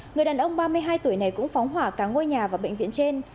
người đàn ông ba mươi hai tuổi này cũng phóng hỏa cả ngôi nhà và bệnh viện trên